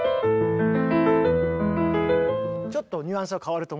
ちょっとニュアンスは変わると思う。